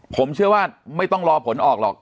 ผมเชื่อว่าไม่ต้องรอผลออกหรอก